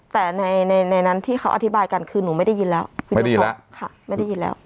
แต่ในในนั้นที่เขาอธิบายกันคือหนูไม่ได้ยินแล้วค่ะไม่ได้ยินแล้ว